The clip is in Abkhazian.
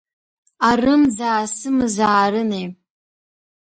Арымӡаа сымазаарынеи!